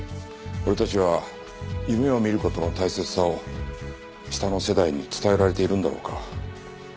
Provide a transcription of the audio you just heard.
俺たちは夢を見る事の大切さを下の世代に伝えられているんだろうか？